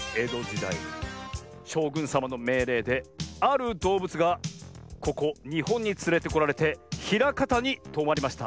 だいしょうぐんさまのめいれいであるどうぶつがここにほんにつれてこられてひらかたにとまりました。